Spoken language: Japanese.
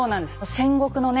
戦国のね